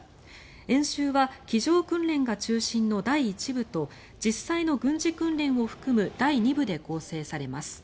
演習は机上訓練が中心の第１部と実際の軍事訓練を含む第２部で構成されます。